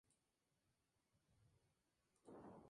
Antes he de tener el gusto de estrechar su mano.